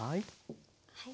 はい。